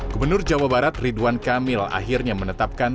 gubernur jawa barat ridwan kamil akhirnya menetapkan